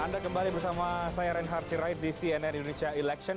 anda kembali bersama saya reinhard sirait di cnn indonesia election